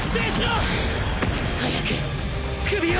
早く首を